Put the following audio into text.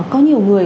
có nhiều người